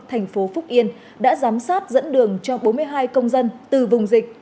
thành phố phúc yên đã giám sát dẫn đường cho bốn mươi hai công dân từ vùng dịch